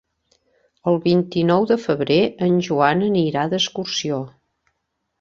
El vint-i-nou de febrer en Joan anirà d'excursió.